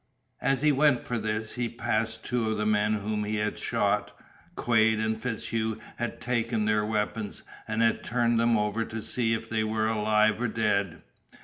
As he went for this, he passed two of the men whom he had shot. Quade and FitzHugh had taken their weapons, and had turned them over to see if they were alive or dead.